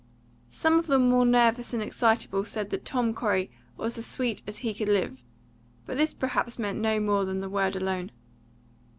Some of the more nervous and excitable said that Tom Corey was as sweet as he could live; but this perhaps meant no more than the word alone.